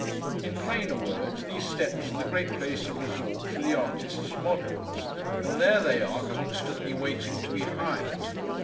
In plainer words, these steps are the great place of resort for the artists' 'Models,' and there they are constantly waiting to be hired.